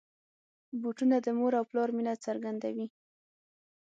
بوټونه د مور او پلار مینه څرګندوي.